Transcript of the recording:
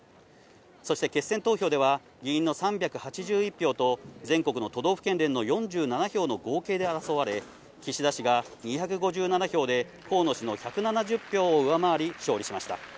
そして決選投票では、議員の３８１票と全国の都道府県連の４７票の合計で争われ、岸田氏が２５７票で河野氏の１７０票を上回り、勝利しました。